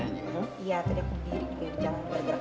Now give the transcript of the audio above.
iya tadi aku diri diri jangan bergerak gerak